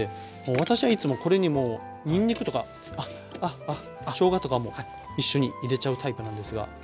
私はいつもこれにもうにんにくとかしょうがとかも一緒に入れちゃうタイプなんですが。